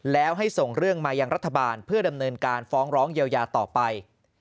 แล้วให้ส่งเรื่องมายังรัฐบาลเพื่อดำเนินการฟ้องร้องเยียวยาต่อไป